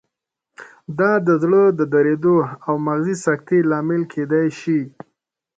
دا د زړه د دریدو او مغزي سکتې لامل کېدای شي.